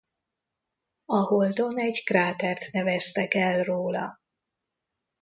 A Holdon egy krátert neveztek el róla.